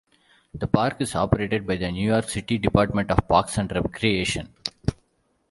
The park is operated by the New York City Department of Parks and Recreation.